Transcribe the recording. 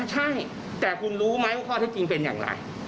ใช่แต่คุณรู้ไหมว่าข้อเท็จจริงเป็นอย่างไร